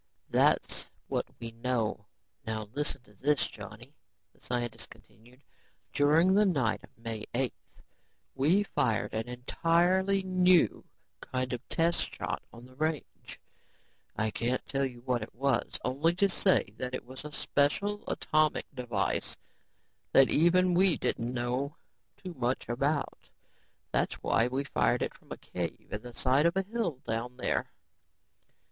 "That's what we know. Now listen to this, Johnny," the scientist continued. "During the night of May 8th, we fired an entirely new kind of test shot on the range. I can't tell you what it was, only to say that it was a special atomic device that even we didn't know too much about. That's why we fired it from a cave in the side of a hill down there.